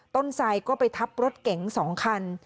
ต้นไซด์ก็ไปทับรถเก๋ง๒คัน